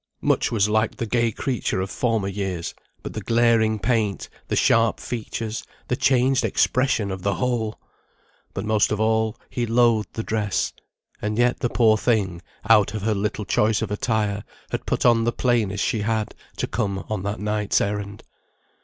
Much was like the gay creature of former years; but the glaring paint, the sharp features, the changed expression of the whole! But most of all, he loathed the dress; and yet the poor thing, out of her little choice of attire, had put on the plainest she had, to come on that night's errand.